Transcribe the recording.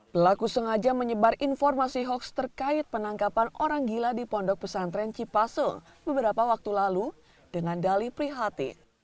pelaku sengaja menyebar informasi hoaks terkait penangkapan orang gila di pondok pesantren cipasung beberapa waktu lalu dengan dali prihatin